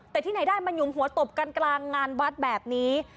แต่ที่ไหนได้มันหุมหัวตบกันกลางงานวัดแบบนี้